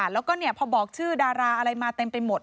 แล้วก็พอบอกชื่อดาราอะไรมาเต็มไปหมด